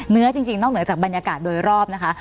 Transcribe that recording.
เนื้อจริงนอกเหนือจากบรรยากาศโดยรอบนะคะ